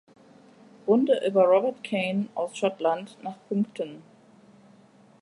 Runde und über Robert Kane aus Schottland nach Punkten.